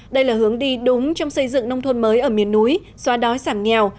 đây là hướng đi đúng trong xây dựng nông thôn mới ở miền núi xóa đói giảm nghèo